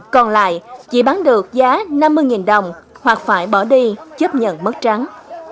còn lại chỉ bán được giá năm mươi đồng hoặc phải bỏ đi chấp nhận mất trắng